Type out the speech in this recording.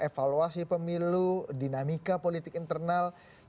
evaluasi pemilu dinamika politik internal